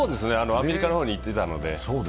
アメリカの方に行ってたので。